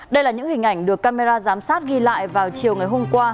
đây là những hình ảnh được camera giám sát ghi lại vào chiều ngày hôm qua